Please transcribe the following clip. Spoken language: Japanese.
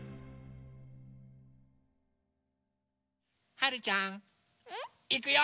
はるちゃんいくよ！